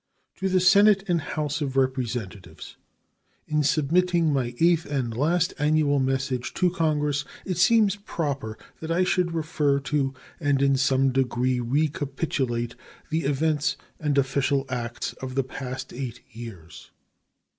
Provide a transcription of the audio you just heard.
Grant December 5, 1876 To the Senate and House of Representatives: In submitting my eighth and last annual message to Congress it seems proper that I should refer to and in some degree recapitulate the events and official acts of the past eight years.